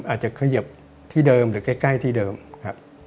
อาจจะเขยิบที่เดิมหรือใกล้ที่เดิมครับ